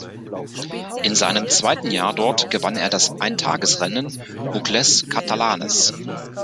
In seinem zweiten Jahr dort gewann er das Eintagesrennen Boucles Catalanes.